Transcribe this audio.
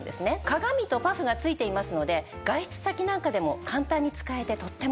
鏡とパフがついていますので外出先なんかでも簡単に使えてとっても便利なんです。